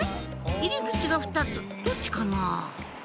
入り口が２つどっちかな？